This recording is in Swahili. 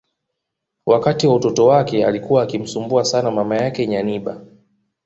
Wakati wa utoto wake alikuwa akimsumbua sana mama yake Nyanibah